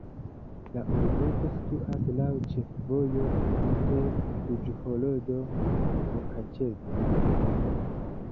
La urbeto situas laŭ ĉefvojo inter Uĵhorodo-Mukaĉeve.